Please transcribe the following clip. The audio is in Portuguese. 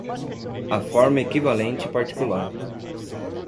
A forma-equivalente particular